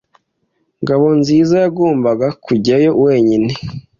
Ngabonziza yagombaga kujyayo wenyine.